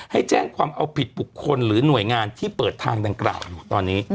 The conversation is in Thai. ให้แจ้งความเอาผิดบุคคลหรือหน่วยงานที่เปิดทางดังกล่าวอยู่ตอนนี้